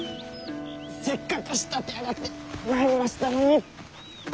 せっかく仕立て上がってまいりましたのに！